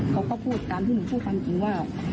เขาก็พูดตามที่หนูพูดความจริงว่า